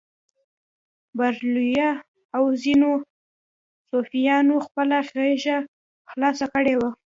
بریلویه او ځینو صوفیانو خپله غېږه خلاصه کړې وه.